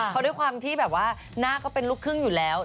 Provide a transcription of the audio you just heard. เขาด้วยความที่แบบว่าหน้าก็เป็นลูกครึ่งอยู่แล้ว